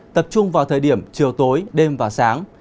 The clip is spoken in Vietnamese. tập trung vào thời điểm chiều tối đêm và sáng